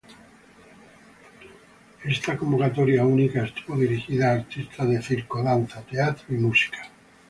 Esta convocatoria única estuvo dirigida a artistas de circo, danza, teatro y música.